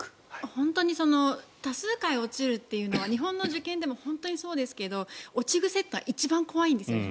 本当に多数回落ちるというのは日本の受験でも本当にそうですけど落ち癖というのは一番怖いんですよね。